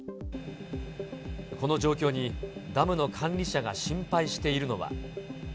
この状況に、ダムの管理者が心配しているのは。